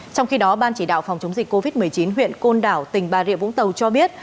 trong khi đó ban chỉ đạo phòng chống dịch covid một mươi chín huyện côn đảo tỉnh bà rịa vũng tàu cho biết